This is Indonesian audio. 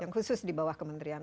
yang khusus di bawah kementerian